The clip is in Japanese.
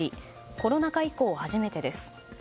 コロナ禍以降初めてです。